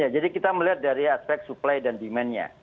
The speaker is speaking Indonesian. jadi kita melihat dari aspek suplai dan demand nya